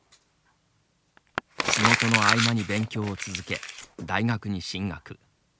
仕事の合間に勉強を続け大学に進学。